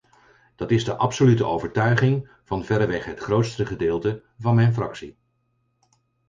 Dat is de absolute overtuiging van verreweg het grootste gedeelte van mijn fractie.